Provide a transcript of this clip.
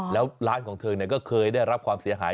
แล้วร้านของเธอก็เคยได้รับความเสียหาย